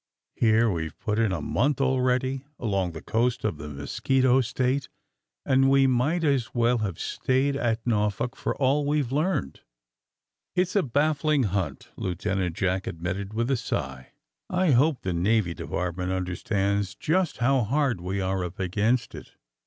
^^Here we've put in a month, already, along the coast of the Mosquito State, and we might as well have stayed at Norfolk for all we've learned.'' *^ It's a baffling hunt," Lieutenant Jack admit ted, with a sigh. *^I hope the Navy Department understands just how hard we are up against it.